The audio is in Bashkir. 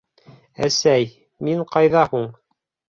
— Әсәй, мин ҡайҙа һуң?!